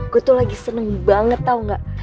gue tuh lagi seneng banget tau gak